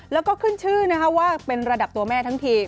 แล้วก็ขึ้นชื่อนะคะว่าเป็นระดับตัวแม่ทั้งที